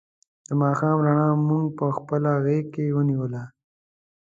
د ماښام رڼا مونږ په خپله غېږ کې ونیولو.